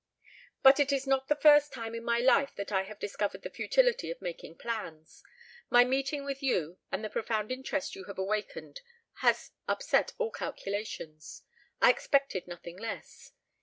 "But it is not the first time in my life that I have discovered the futility of making plans. My meeting with you and the profound interest you have awakened has upset all calculations. I expected nothing less!